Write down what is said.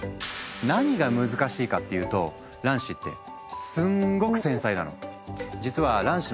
何が難しいかっていうと卵子ってすんごく繊細なの。